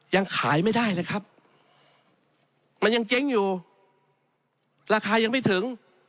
ยังขายไม่ได้เลยครับมันยังเจ๊งอยู่ราคายังไม่ถึง